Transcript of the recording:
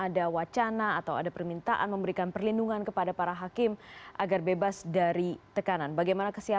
saya sapa juga pengacara keluarga brigade rioswa